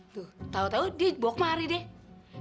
tuh tahu tahu dia bawa kemari deh